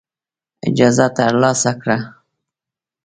اجازه ترلاسه کړه.